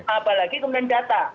apalagi kemudian data